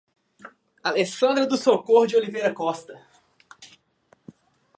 Alessandra do Socorro de Oliveira Costa